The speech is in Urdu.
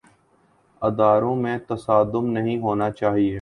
اداروں میں تصادم نہیں ہونا چاہیے۔